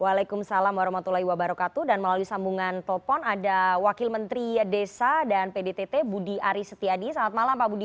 waalaikumsalam warahmatullahi wabarakatuh dan melalui sambungan telepon ada wakil menteri desa dan pdtt budi aris setiadi selamat malam pak budi